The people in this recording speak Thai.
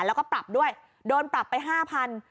แล้วก็ปรับด้วยโดนปรับไป๕๐๐บาท